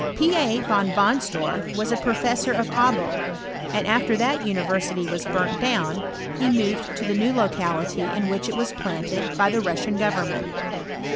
" P. A. Von Bonsdorf was a professor of Abo, and ^fter that university was burnt down, he moved to tfae new locality in which it was planted by the Russian government.